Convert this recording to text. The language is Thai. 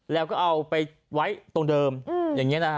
แล้วก็เอาไปไว้ตรงเดิมอย่างนี้นะฮะ